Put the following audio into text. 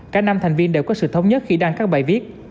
cả năm thành viên đều có sự thống nhất khi đăng các bài viết